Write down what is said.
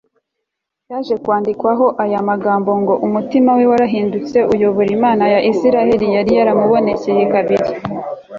yaje kwandikwaho aya magambo ngo umutima we warahindutse uyoba imana ya isirayeli yari yaramubonekeye kabiri